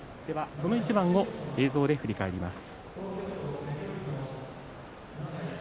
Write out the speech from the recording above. その一番を振り返ります。